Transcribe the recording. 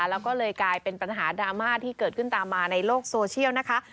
แล้วก็เลยกลายเป็นปัญหาดราม่าที่เกิดขึ้นตามมาในโลกโซเชียลนะคะ